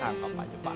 tangkap aja pak